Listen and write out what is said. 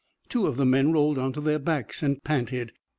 Two of the men rolled onto their backs and panted.